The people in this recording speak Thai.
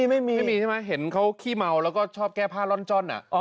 ไม่มีไม่มีใช่ไหมเห็นเขาขี้เมาแล้วก็ชอบแก้ผ้าร่อนจ้อน